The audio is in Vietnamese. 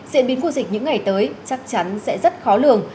diễn biến của dịch những ngày tới chắc chắn sẽ rất khó lường